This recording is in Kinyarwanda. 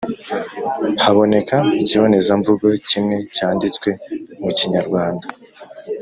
haboneka ikibonezamvugo kimwe cyanditswe mu kinyarwanda